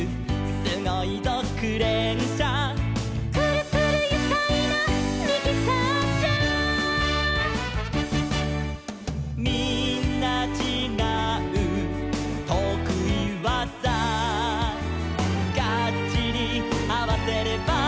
「すごいぞクレーンしゃ」「くるくるゆかいなミキサーしゃ」「みんなちがうとくいわざ」「ガッチリあわせれば」